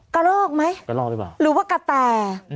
กระโลกไหมหรือว่ากะแต่